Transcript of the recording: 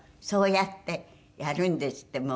そうやってやるんですって。